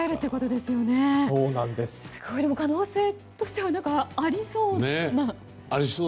でも、可能性としてはありそうな。